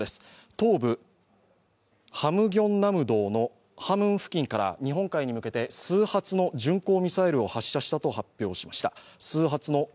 東部ハムギョンナムドのハムン付近から日本海に向けて数発の巡航ミサイルを発射したと発表しました。